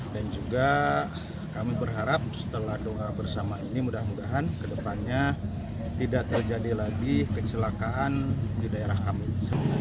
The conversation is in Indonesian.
dan juga kami berharap setelah doa bersama ini mudah mudahan ke depannya tidak terjadi lagi kecelakaan di daerah kami